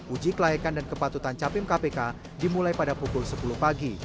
uji kelayakan dan kepatutan capim kpk dimulai pada pukul sepuluh pagi